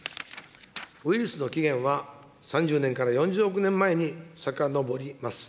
ウイルスの起源は３０年から４０億年前にさかのぼります。